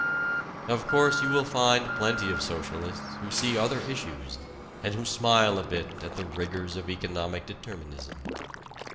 Of course you will find plenty of socialists who see other issues and who smile a bit at the rigors of economic determinism.